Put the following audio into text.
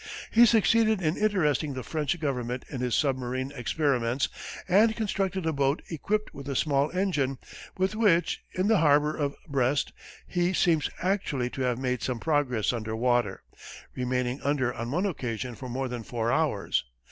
He succeeded in interesting the French government in his submarine experiments and constructed a boat equipped with a small engine, with which, in the harbor of Brest, he seems actually to have made some progress under water, remaining under on one occasion for more than four hours.